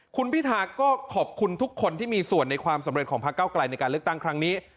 คุณพิธาก็ขอบคุณทุกคนที่มีส่วนในความสำเร็จของพระเก้าไกลในการเลือกตั้งครั้งนี้